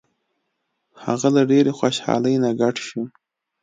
هغه له ډیرې خوشحالۍ نه ګډ شو.